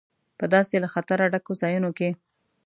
په داسې له خطره ډکو ځایونو کې.